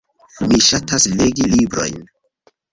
Mi ŝatas legi librojn.